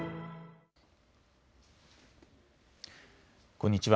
こんにちは。